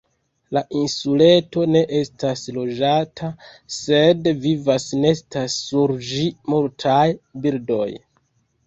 La insuleto ne estas loĝata, sed vivas, nestas sur ĝi multaj birdoj.